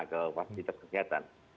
ke fasilitas kesehatan